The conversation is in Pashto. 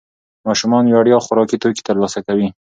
ماشومان وړیا خوراکي توکي ترلاسه کوي.